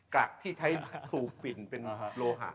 รักที่ใช้สูบฝิ่นเป็นโลหะ